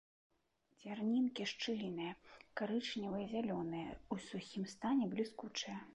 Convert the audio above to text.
Дзярнінкі шчыльныя, карычнева-зялёныя, у сухім стане бліскучыя.